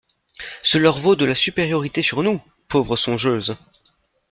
Ce leur vaut de la supériorité sur nous, pauvres songeuses!